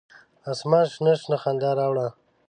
اسمان شنه، شنه خندا راوړه